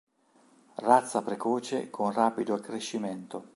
Razza precoce con rapido accrescimento.